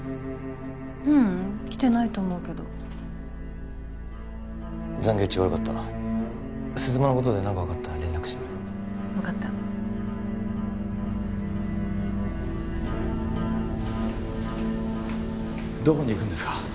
ううん来てないと思うけど残業中悪かった鈴間のことで何か分かったら連絡してくれ分かったどこに行くんですか？